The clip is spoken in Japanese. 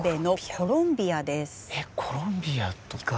コロンビア意外。